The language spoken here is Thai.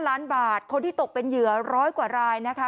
ล้านบาทคนที่ตกเป็นเหยื่อร้อยกว่ารายนะคะ